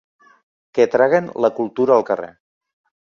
Que traguen la cultura al carrer.